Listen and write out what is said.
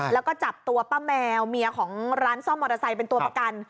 แล้วก็จับตัวป้าแมวเมียของร้านซ่อมมอเตอร์ไซค์เป็นตัวประกัน